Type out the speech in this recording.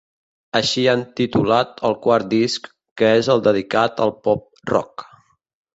Així han titulat el quart disc, que és el dedicat al pop-rock.